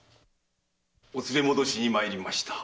お連れ戻しに参りました。